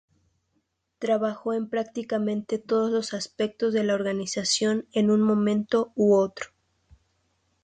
Trabajó en prácticamente todos los aspectos de la organización en un momento u otro.